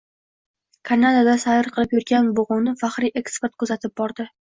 Kanadada sayr qilib yurgan bug‘uni faxriy eskort kuzatib bordi